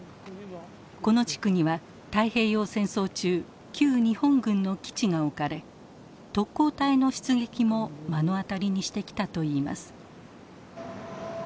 この地区には太平洋戦争中旧日本軍の基地が置かれ特攻隊の出撃も目の当たりにしてきたといいます。